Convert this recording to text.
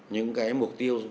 những cái mục tiêu